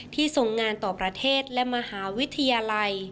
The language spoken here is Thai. ทรงงานต่อประเทศและมหาวิทยาลัย